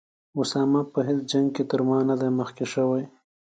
اسامه په هیڅ جنګ کې تر ما نه دی مخکې شوی.